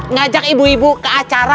ngajak ibu ibu ke acara